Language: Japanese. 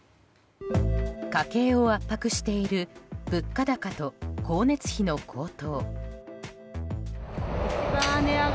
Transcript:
家計を圧迫している物価高と光熱費の高騰。